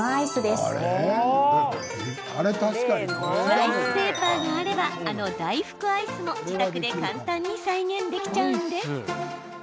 ライスペーパーがあればあの大福アイスも、自宅で簡単に再現できちゃうんです。